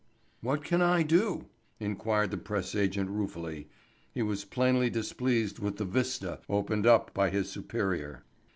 "What can I do?" inquired the press agent ruefully. He was plainly displeased with the vista opened up by his superior.